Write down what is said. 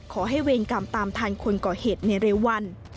เวรกรรมตามทันคนก่อเหตุในเร็ววัน